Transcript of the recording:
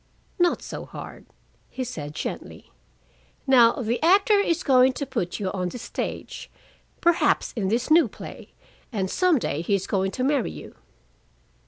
"Not so hard," he said gently. "Now the actor is going to put you on the stage, perhaps in this new play, and some day he is going to marry you."